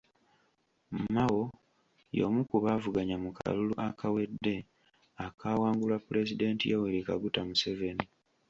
Mao y'omu ku baavuganya mu kalulu akawedde, akaawangulwa Pulezidenti Yoweri Kaguta Museveni.